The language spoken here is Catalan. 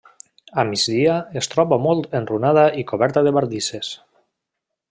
A migdia es troba molt enrunada i coberta de bardisses.